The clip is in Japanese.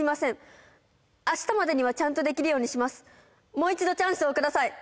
もう一度チャンスを下さい